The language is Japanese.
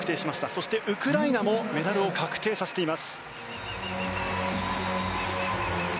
そして、ウクライナもメダルを確定させています。